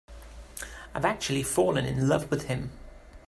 I've actually fallen in love with him.